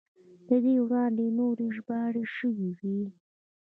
له دې وړاندې نورې ژباړې شوې وې.